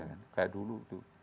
kayak dulu tuh